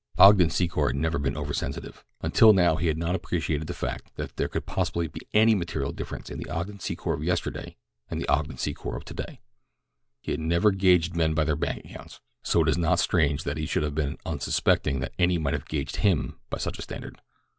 Ogden Secor had never been over sensitive. Until now he had not appreciated the fact that there could possibly be any material difference in the Ogden Secor of yesterday and the Ogden Secor of today. He had never gaged men by their bank accounts, so it is not strange that he should have been unsuspecting that any might have gaged him by such a standard.